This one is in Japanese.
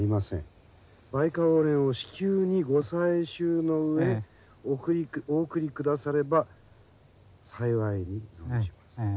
バイカオウレンを至急にご採集の上お送りくだされば幸いに申します」。